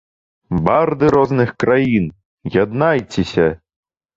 Барды розных краін, яднайцеся!